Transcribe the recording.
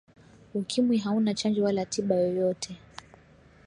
ukimwi hauna chanjo wala tiba yoyote